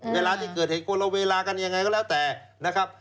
เวลาที่เกิดเหตุคนละเวลากันยังไงก็แล้วแต่นะครับ